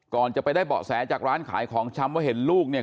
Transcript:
ก่อนจะไปได้เบาะแสจากร้านขายของชำว่าเห็นลูกเนี่ย